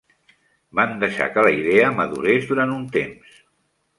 Van deixar que la idea madurés durant un temps.